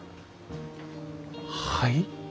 はい？